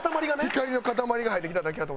光の塊が入ってきただけやと。